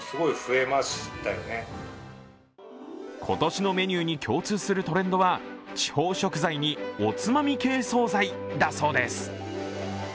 今年のメニューに共通するトレンドは地方食材におつまみ系総菜だそうです。